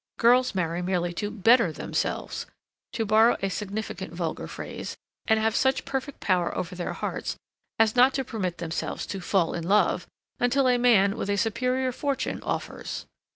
Girls marry merely to BETTER THEMSELVES, to borrow a significant vulgar phrase, and have such perfect power over their hearts as not to permit themselves to FALL IN LOVE till a man with a superior fortune offers.